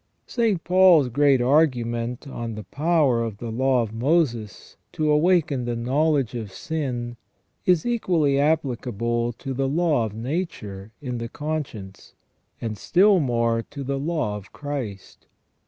St. Paul's great argument on the power of the law of Moses to awaken the knowledge of sin is equally applicable to the law of Nature in the conscience, and still more to the law of Christ.